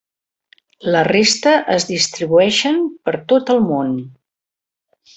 La resta es distribueixen per tot el món.